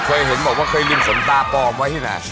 เคยเห็นบอกว่าเคยซึ่งผลตาปลอมไว้ที่หน้า